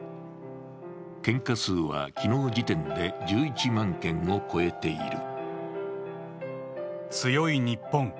献花数は昨日時点で１１万件を超えている。